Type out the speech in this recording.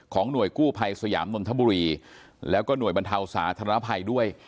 หน่วยกู้ภัยสยามนนทบุรีแล้วก็หน่วยบรรเทาสาธารณภัยด้วย